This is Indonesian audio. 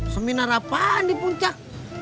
seminar apaan di puncak